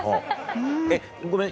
えっごめん